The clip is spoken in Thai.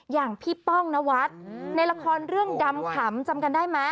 อย่างพี่ป้องนวัดในละครเรื่องดำขำจำกันได้ไหม